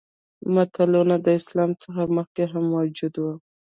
متلونه د اسلام څخه مخکې هم موجود وو